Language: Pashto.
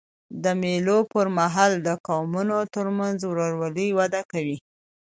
د مېلو پر مهال د قومونو ترمنځ ورورولي وده کوي.